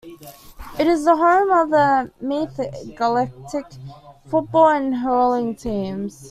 It is the home of the Meath Gaelic football and Hurling teams.